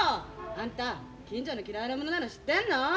あんた近所の嫌われ者なの知ってんの？